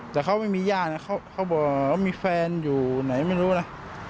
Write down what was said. แต่เขาไม่มีย่านะเขาบอกว่ามีแฟนอยู่ไหนไม่รู้นะ